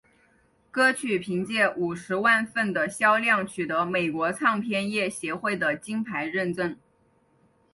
歌曲凭借五十万份的销量取得美国唱片业协会的金牌认证。